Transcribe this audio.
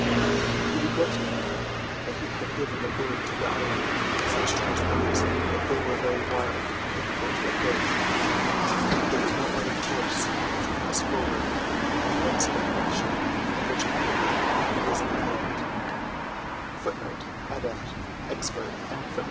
He regretted now that he had given the birds of the island such strange names that they are very wild and difficult of approach. There was no other course but to press forward in redskin fashion, at which happily he was an adept.